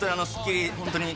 『スッキリ』